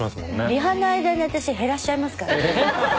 リハの間に私減らしちゃいますからね。